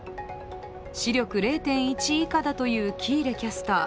視力０．１以下だという喜入キャスター。